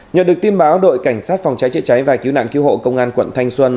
nhờ được tin báo đội cảnh sát phòng cháy chữa cháy và cứu nạn cứu hộ công an quận thanh xuân